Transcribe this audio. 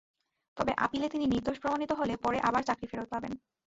তবে আপিলে তিনি নির্দোষ প্রমাণিত হলে পরে আবার চাকরি ফেরত পাবেন।